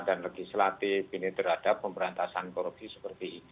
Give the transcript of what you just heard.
dan legislatif ini terhadap pemberantasan korupsi seperti ini